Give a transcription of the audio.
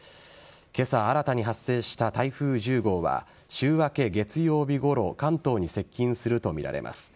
今朝新たに発生した台風１０号は週明け月曜日ごろ関東に接近するとみられます。